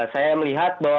saya melihat bahwa